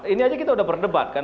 ini aja kita udah berdebat kan